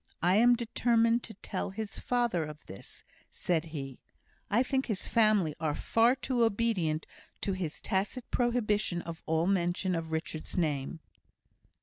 "I am determined to tell his father of this," said he; "I think his family are far too obedient to his tacit prohibition of all mention of Richard's name."